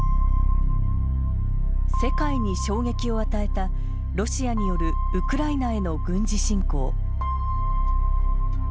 世界に衝撃を与えたロシアによるウクライナへの軍事侵攻。